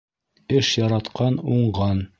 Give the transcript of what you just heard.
Эш яратҡан уңған